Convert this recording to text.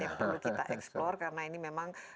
yang perlu kita eksplor karena ini memang